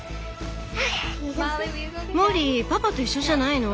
モリーパパと一緒じゃないの？